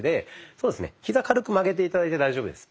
そうですねひざ軽く曲げて頂いて大丈夫です。